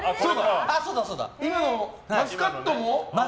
今の「マスカット」も？